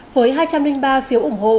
với hai trăm linh ba phiếu ủng hộ